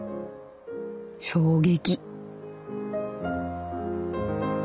衝撃」。